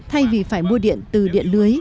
thay vì phải mua điện từ điện lưới